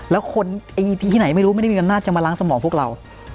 แล้วคนที่ไหนไม่รู้ไม่ได้มีอำนาจจะมาล้างสมองพวกเรา